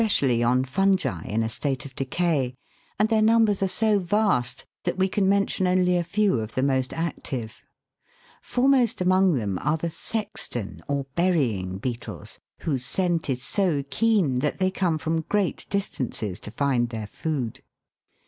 43. BURYING BEETLES. ally on fungi in a state of decay, and their numbers are so vast that we can mention only a few of the most active. Foremost among them are the Sexton, or burying beetles, whose scent is so keen that they come from great distances to find their food.